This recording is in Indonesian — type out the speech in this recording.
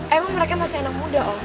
emang mereka masih anak muda om